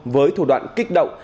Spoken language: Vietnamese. với thủ đoạn kích động